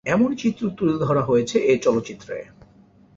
এমনই চিত্র তুলে ধরা হয়েছে এই চলচ্চিত্রে।